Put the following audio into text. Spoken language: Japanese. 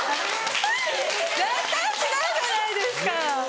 絶対違うじゃないですか！